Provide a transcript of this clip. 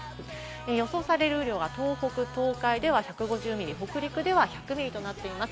予想される雨量は、東北、東海では１５０ミリ、北陸では１００ミリとなっています。